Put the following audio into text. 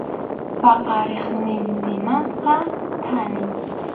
Paqariqnintinmanqa thani.